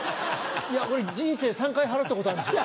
俺人生３回払ったことあるんですよ。